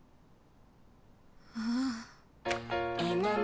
ああ。